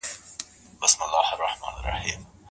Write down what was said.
ډيجيټلي رسنۍ پوهاوی خپروي او د ټولنې په پوهاوي اغېز لري.